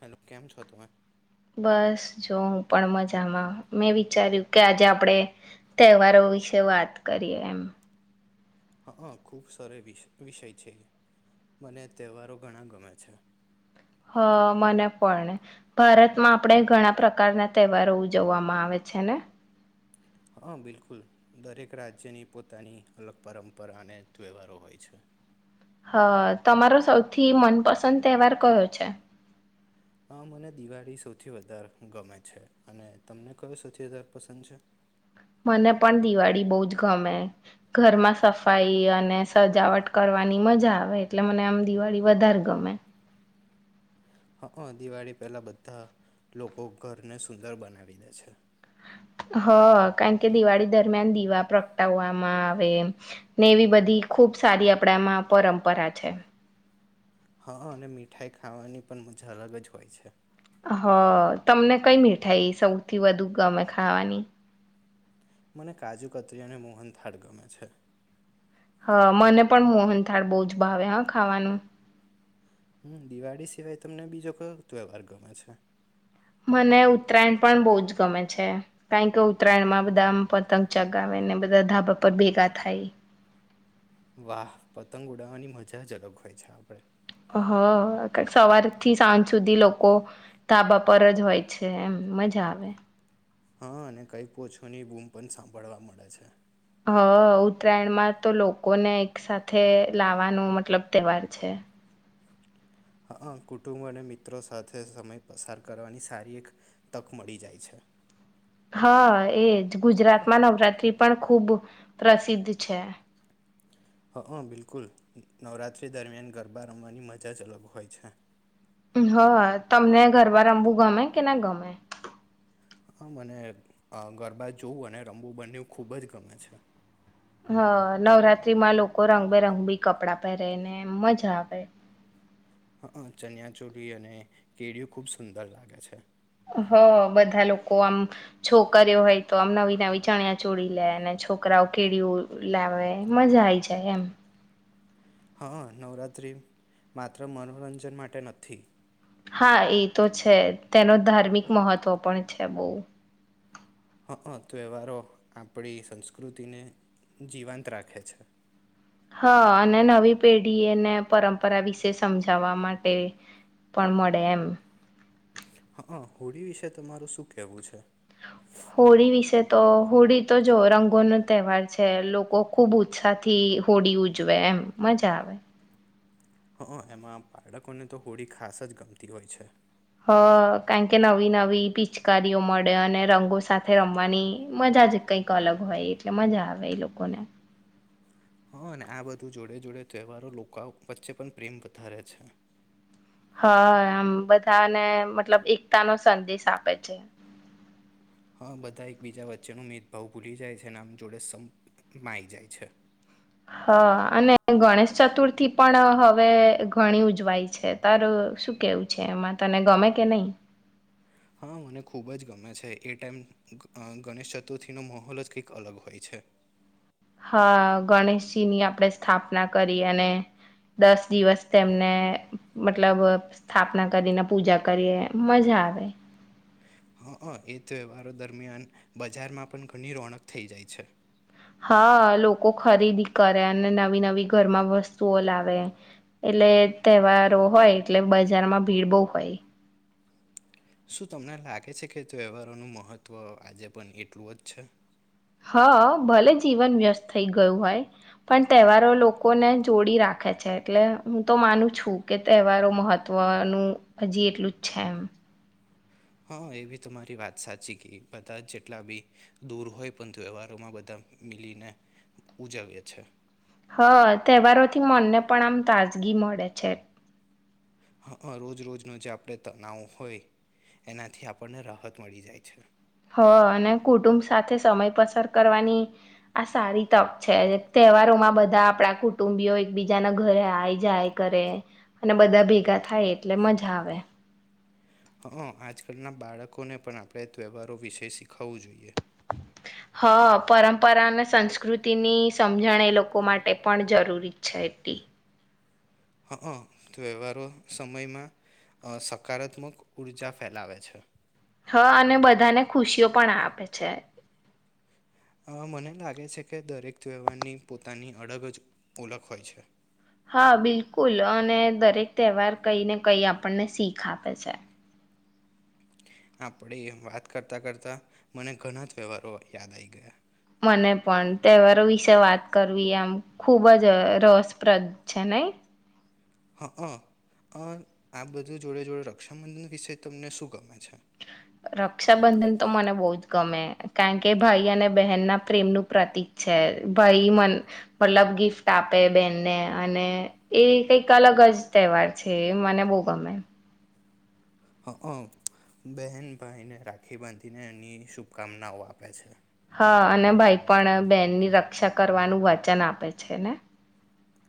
Hello કેમ છો તમે બસ જો હું પણ મજામાં મેં વિચાર્યું કે આજે આપણે તહેવારો વિશે વાત કરીએ એમ હા ખુબ સર વિષય છે મને તહેવારો ઘણા ગમે છે હા મને પણ ભારતમાં આપણે ઘણા પ્રકારના તહેવારો ઉજવવામાં આવે છે ને હા બિલકુલ દરેક રાજ્યની પોતાની અલગ પરંપરા અને તહેવારો હોય છે હ તમારો સૌથી મનપસંદ તહેવાર કયો છે હ મને દિવાળી સૌથી વધારે ગમે છે અને તમને કયો સૌથી વધારે પસંદ છે મને પણ દિવાળી બહુજ ગમે ઘરમાં સફાઈ અને સજાવટ કરવાની મજા આવે એટલે મને આમ દિવાળી વધારે ગમે હ દિવાળી પહેલા બધા લોકો ઘરને સુંદર બનાવી દે છે હ કારણ કે દિવાળી દરમિયાન દીવા પ્રગટાવવામાં આવે ને એવી બધી ખુબ સારી આપડામાં પરંપરા છે હા અને મીઠાઈ ખાવાની પણ મજા અલગ જ હોય છે હ તમને કઈ મીઠાઈ સૌથી વધુ ગમે ખાવાની મને કાજુ કતરી અને મોહન થાળ ગમે છે હા મને પણ મોહન થાળ બહુ જ ભાવે હા ખાવાનું હમ દિવાળી સિવાય તમને બીજો કયો ત્યવહાર ગમે છે મને ઉત્તરાયણ પણ બહુ જ ગમે છે કારણ કે ઉત્તરાયણમાં બધા પતંગ ચગાવેને બધા ધાબા પર ભેગા થાય વાહ પતંગ ઉડાવવાની મજા જ અલગ હોય છે આપડે હ સવાર થી સાંજ સુધી લોકો ધાબા પર જ હોય છે એમ મજા આવે હા અને કઈક ઓછોની બૂમ પણ સાંભળવા મળે છે હ ઉત્તરાયણમાં તો લોકોને એક સાથેથે લાવાનું મતલબ તહેવાર છે હ કુટુંબો અને મિત્રો સાથે સમય પસાર કરવાની સારી એક તક મળી જાય છે હા એજ ગુજરાતમાં નવરાત્રી પણ ખૂબ પ્રસિદ્ધ છે હ બિલકુલ નવરાતિ દરમિયાન ગરબા રમવાની મજા જ અલગ હોય છે હા તમને ઘરબા રમવું ગમે કે ના ગમે હા મને ગરબા જોવું અને રમવું બન્યું ખૂબ જ ગમે છે હ નવરાત્રીમાં લોકો રંગબેરંગ બી કપડાં પહેરે ને એમ મજા આવે હા ચનિયા ચોલી અને કેળઓ ખુબ સુંદર લાગે છે હ બધા લોકો આમ છોકરીઓ હોય તો આમ નવી નવી ચણિયા ચોડી લે અને છોકરાઓ કેળ લાવે મજા આઈ જાય એમ હા નવરાત્રિ માત્ર મનોરંજન માટે નથી હા એ તો છે તેનો ધાર્મિક મહત્વ પણ છે બહુ હ હ તહેવારો આપણી સંસ્કૃતિને જીવાંત રાખે છે હા અને નવી પેઢી એને પરંપરા વિશે સમજાવવા માટે પણ મળે એમ હા હોળી વિશે તમારું શું કેવું છે હોળી વિશે તો હોળી તો જો રંગોનો તહેવાર છે લોકો ખુબ ઉત્સાહ થી હોળી ઉજવે એમ મજા આવે હ એમાં બાળકોને તો હોડી ખાસ જ ગમતી હોય છે હ કારણ કે નવી નવી પિચકારીઓ મળે અને રંગો સાથે રમવાની મજા જ કઈક અલગ હોય એટલે મજા આવે એ લોકોને હા અને આ બધું જોડે જોડે તહેવારો લોકો વચ્ચે પણ પ્રેમ વધારે છે. હા આમ બધાને મતલબ એકતા નો સંદેશ આપે છે. હા બધા એકબીજા વચ્ચેનો મેદભાવ ભૂલી જાય છે આમ જોડે સમાઈ જાય છે. હા અને ગણેશ ચતુર્થી પણ હવે ઘણી ઉજવાય છે. તારું શું કેવું છે એમાં તને ગમે કે નહી? હા મને ખૂબ જ ગમે છે. એ ટાઈમ ગણેશ ચતુર્થીનો માહોલ જ કંઈક અલગ હોય છે. હા ગણેશજી ની આપણે સ્થાપના કરી અને દસ દિવસ તેમને મતલબ સ્થાપના કરીને પૂજા કરીએ, મજા આવે. હ હં એ તહેવારો દરમિયાન બજારમાં પણ ઘણી રોનક થઈ જાય છે. હા લોકો ખરીદી કરે અને નવી નવી ઘરમાં વસ્તુઓ લાવે એટલે તહેવારો હોય એટલે બજારમાં ભીડ બહુ હોય. શું તમને લાગે છે કે તહેવારોનું મહત્ત્વ આજે પણ એટલું જ છે? હા, ભલે જીવન વ્યસ્ત થઈ ગયું હોય, પણ તહેવારો લોકોને જોડી રાખે છે. એટલે હું તો માનું છું કે તહેવારો મહત્વનું હજી એટલું જ છે એમ. હા, એ બી તમારી વાત સાચી કે, બધા જેટલા બી દૂર હોય પણ ત્યવહારોમાં બધા મિલીને ઉજવીએ છે. હા તહેવારોથી મનને પણ આમ તાજગી મળે છે. હ, રોજ રોજનો જે આપણે તનાવ હોય, એનાથી આપણને રાહત મળી જાય છે. હ, અને કુટુંબ સાથે સમય પસાર કરવાની આ સારી તક છે. તહેવારોમાં બધા આપડા કુટુંબીયો એકબીજાના ઘરે આ જાય કરે અને બધા ભેગા થાય એટલે મઝા આવે. હ, આજકાલના બાળકોને પણ આપણે તહેવારો વિશે શીખાવવું જોઈએ. હા, પરંપરા અને સંસ્કૃતિની સમજણ એ લોકો માટે પણ જરૂરી જ છે એટલી. હ, ત્વેહવારો સમયમાં અ સકારાત્મક ઊર્જા ફેલાવે છે. હા, અને બધાને ખુશીઓ પણ આપે છે. અ મને લાગે છે કે દરેક તહેવારની પોતાની અડગ જ ઓળખ હોય છે. હા બિલકુલ, અને દરેક તહેવાર કંઈ ને કંઈ આપણને શીખ આપે છે. આપડી વાત કરતા કરતા મને ઘણા જ તહેવારો યાદ આઈ ગયા. મને પણ. તહેવારો વિશે વાત કરવી આમ ખૂબ જ રસપ્રદ છે, નઈં? હઅ. અ આ બધું જોડે જોડે રક્ષાબંધન વિષે તમને શું ગમે છે? રક્ષાબંધન તો મને બહુ જ ગમે. કારણ કે ભાઈ અને બહેન ના પ્રેમનું પ્રતીક છે. ભાઈ મન મતલબ ગિફ્ટ આપે બેહેનને, અને એ કંઈક અલગ જ તહેવાર છે, એ મને બહુ ગમે. હંઅ. બહેન ભાઈને રાખડી બાંધીને એની શુભકામનાઓ આપે છે. હા, અને ભાઈ પણ બેનની રક્ષા કરવાનું વચન આપે છે ને.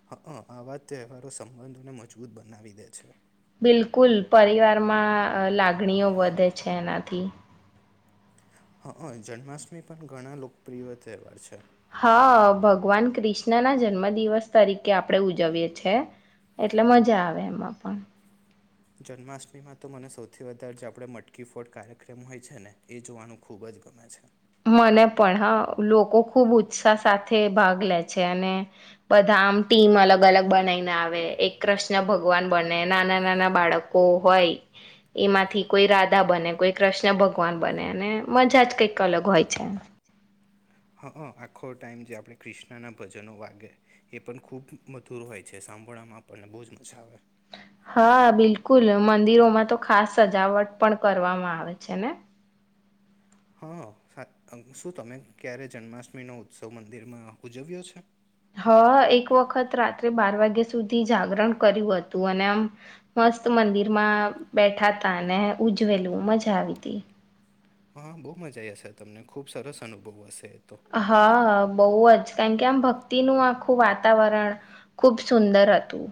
હંઅ, આ વા જ તહેવારો સંબંધોને મજબૂત બનાવી દે છે. બિલકુલ, પરિવારમાં લાગણીઓ વધે છે એનાથી. હંઅ, જન્માષ્ટમી પણ ઘણા લોકપ્રિય તહેવાર છે. હા, ભગવાન કૃષ્ણ ના જન્મ દિવસ તરીકે આપણેે ઉજવીએ છેએ એટલે મજા આવે એમાં પણ. જન્માષ્ટમીમાં તો મને સૌથી વધારે જે આપણે મટકી ફોટ કાર્યક્રમ હોય છે, ને એ જોવાનું ખૂબ જ ગમે છે. મને પણ. હા લોકો ખુબ ઉત્સાહ સાથે ભાગ લે છે. અને બધા આમ ટીમ અલગ અલગ બનાવીને આવે એક કૃષ્ણ ભગવાન બને, નાના નાના બાળકો હોય એમાંથી કોઈ રાધા બને, કોઈ કૃષ્ણ ભગવાન બને, અને મજા જ કંઈ અલગ હોય છે. હા હ આખો ટાઈમ જે આપણે ક્રિષ્ણાના ભજનો વાગે એ પણ ખૂબ મધુર હોય છે સાંભળામાં આપણને બહુ જ મજા આવે હા બિલકુલ મંદિરોમાં તો ખાસ સજાવટ પણ કરવામાં આવે છે ને હા શું તમે ક્યારે જન્માષ્ટમીનો ઉત્સવ મંદિરમાં ઉજવ્યો છે હ એક વખત રાત્રે બાર વાગ્યા સુધી જાગરણ કર્યું હતું અને આમ મસ્ત મંદિરમાં બેઠા હતા અને ઉજવેલું મજા આવી તી હા બહુ મજા આ હશે તમને ખુબ સરસ અનુભવ હશે તો હા બોહ જ કારણ કે આમ ભક્તિનું આખું વાતાવરણ ખુબ સુંદર હતું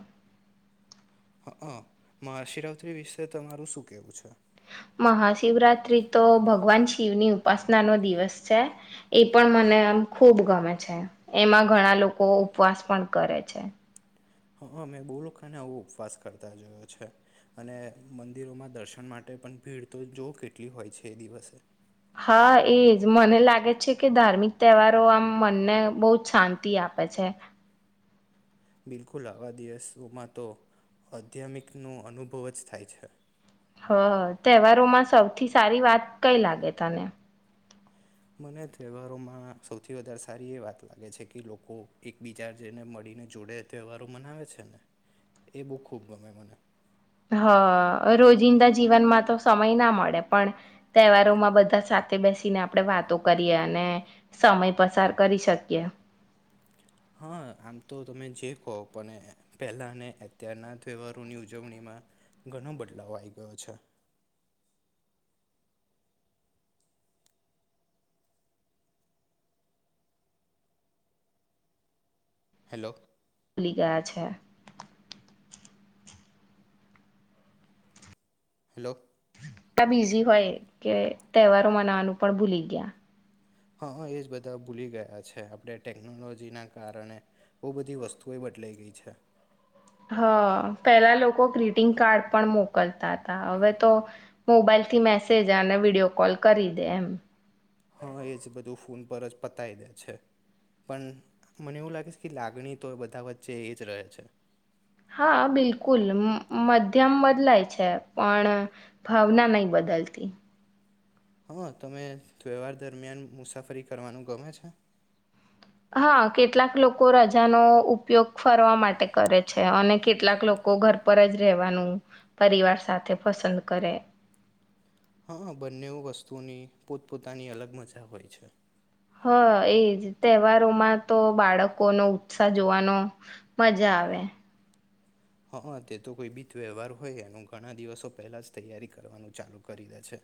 હ હ મહાશિવરાત્રી વિશે તમારું શું કેવું છે મહાશિવરાત્રી તો ભગવાન શિવની ઉપાસના નો દિવસ છે એ પણ મને આમ ખૂબ ગમે છે એમાં ઘણા લોકો ઉપવાસ પણ કરે છે હા મેં બહુ લોકોને આવો ઉપવાસ કરતા જોયો છે અને મંદિરોમાં દર્શન માટે પણ ભીડ તો જોવ કેટલી હોય છે એ દિવસે હા એજ મને લાગે છે કે ધાર્મિક તહેવારો આમ મનને બહુ જ શાંતિ આપે છે બિલકુલ આવા દિવસોમાં તો આધ્યામિકનો અનુભવ જ થાય છે હ તહેવારોમાં સૌથી સારી વાત કઈ લાગે તને મને તહેવારોમાં સૌથી વધારે સારી એ વાત લાગે છે કે લોકો એકબીજા જેને મળીને જોડે તહેવારો મનાવે છે ને એ બહ ખૂબ ગમે મને હ રોજિંદા જીવનમાં તો સમય ના મળે પણ તહેવારોમાં બધા સાથે બેસીને આપણેે વાતો કરીએ અને સમય પસાર કરી શકીએ હા આમ તો તમે જે કહો પણ પહેલાને અત્યારના તહેવારોની ઉજવણીમાં ઘણો બદલાવ આવી ગયો છે હેલો લિય ગયા છે હેલો એટલા બીઝી હોય કે તહેવારો મનાવાનું પણ ભૂલી ગયા હા એજ બધા ભૂલી ગયા છે આપણે ટેકનોલોજીના કારણે બોહ બધી વસ્તુઓ બદલાઈ ગઈ છે હા પેલા લોકો ગ્રીટિંગ કાર્ડ પણ મોકલતા હતા હવે તો મોબાઈલ થી મેસેજ અને વિડીિયો કોલ કરી દે એમ ઉપર જ પતાય દે છે પણ મને એવું લાગે છે કે લાગણી તો બધા વચ્ચે એ જ રહે છે હા બિલકુલ મધ્યમ બદલાય છે પણ ભાવના નહી બદલતી હા, તમે તહેવાર દરમિયાન મુસાફરી કરવાનું ગમે છે? હા, કેટલાક લોકો રજાનો ઉપયોગ ફરવા માટે કરે છે અને કેટલાક લોકો ઘર પર જ રહેેવાનું પરિવાર સાથે પસંદ કરે. હા, બંને વસ્તુઓની પોતપોતાની અલગ મજા હોય છે. હ એજ તહેવારોમાં તો બાળકોનો ઉત્સાહ જોવાનો મજા આવે. હા અહ તે તો કોઈ બી વ્યવહાર હોય એનું ઘણા દિવસો પહેલા જ તૈયારી કરવાનું ચાલુ કરી દે છે.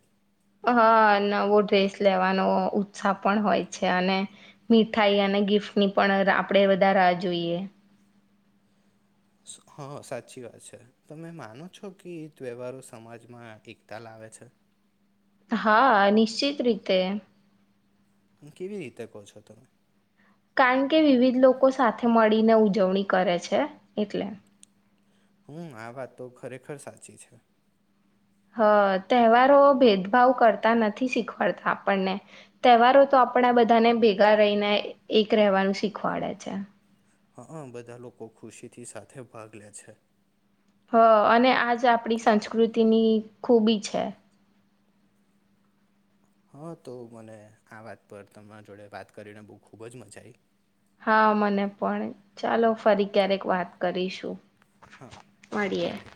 હા, નવો ડ્રેસ લેવાનો ઉત્સાહ પણ હોય છે અને મીઠાઈ અને ગિફ્ટની પણ આપડે વધારે રાહ જોઈએ. હા, સાચી વાત છે. તમે માનો છો કે તહેવારો સમાજમાં એકતા લાવે છે? હા, નિશ્ચિત રીતે. હું કેવી રીતે કોહ છો તમે? કારણ કે વિવિધ લોકો સાથે મળીને ઉજવણી કરે છે એટલે. હમ્મ, આ વાત તો ખરેખર સાચી છે. હ તહેવારો ભેદભાવ કરતા નથી શીખવાડતા આપણને તહેવારો તો આપડા બધાને ભેગા રહીને એક રહેવાનું શીખવાડે છે. હ અહ બધા લોકો ખુશીથી સાથે ભાગ લે છે. હ અને આજ આપડી સંસ્કૃતિની ખૂબી છે. હા તો મને આ વાત પર તમારા જોડે વાત કરીને બહ ખુબ જ મજા આઈ. હા, મને પણ ચાલો ફરી ક્યારેક વાત કરીશું. હા મળીએ.